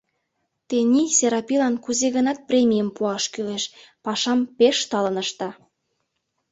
Тений Серапилан кузе-гынат премийым пуаш кӱлеш: пашам пеш талын ышта.